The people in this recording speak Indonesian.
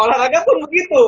olahraga pun begitu